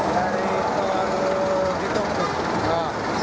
dari itu gitu